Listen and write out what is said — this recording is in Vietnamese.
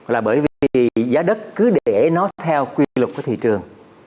là bởi vì giá đất cứ để nó theo quy luật của thị trường